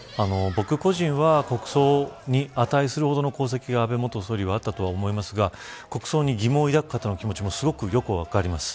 僕個人は国葬に値するほどの功績は安倍元総理はあったと思いますが国葬に疑問を抱く方の気持ちもすごく、よく分かります。